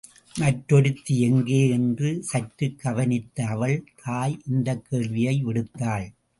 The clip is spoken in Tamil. மற்றொருத்தி எங்கே? என்று சற்றுக் கவனித்த அவள் தாய் இந்தக் கேள்வியை விடுத்தாள்.